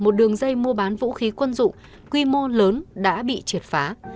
trong khi mua bán vũ khí quân dụng quy mô lớn đã bị triệt phá